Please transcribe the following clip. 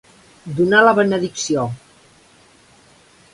Donar la benedicció.